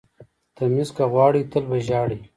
ـ تميز که غواړئ تل به ژاړئ.